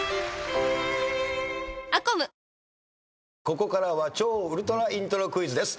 ここからは超ウルトライントロクイズです。